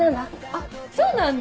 あっそうなんだ。